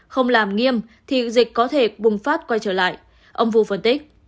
không làm nghiêm thì dịch có thể bùng phát quay trở lại ông vũ phân tích